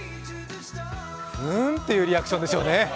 うん？っていうリアクションでしょうね。